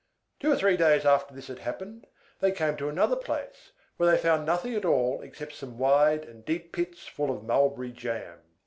Two or three days after this had happened, they came to another place, where they found nothing at all except some wide and deep pits full of mulberry jam.